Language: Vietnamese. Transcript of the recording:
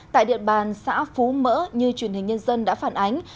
tại địa bàn xã phú mỡ như truyền hình nhân dân đã phản ánh